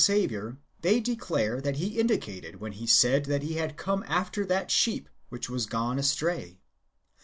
35 Saviour, they declare that He indicated when He said, that He had come after that sheep which was gone astray.